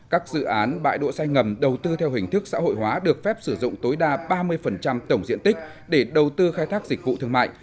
các dự án bãi đỗ xe ngầm đầu tư theo hình thức xã hội hóa được phép sử dụng tối đa ba mươi tổng diện tích để đầu tư khai thác dịch vụ thương mại